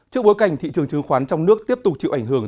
trước bối cảnh thị trường chứng khoán trong nước tiếp tục chịu ảnh hưởng